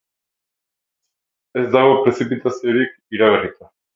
Ez dago prezipitaziorik iragarrita.